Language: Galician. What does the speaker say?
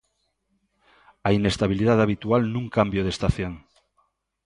A inestabilidade habitual nun cambio de estación.